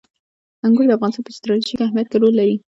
انګور د افغانستان په ستراتیژیک اهمیت کې رول لري.